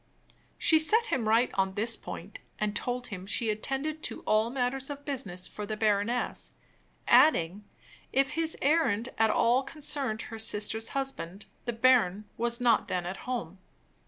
She set him right on this point, and told him she attended to all matters of business for the baroness; adding that, if his errand at all concerned her sister's husband, the baron was not then at home.